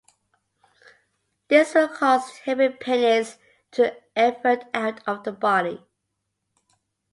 This will cause the hemipenis to evert out of the body.